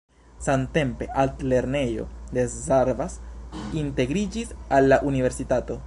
Samtempe altlernejo de Szarvas integriĝis al la universitato.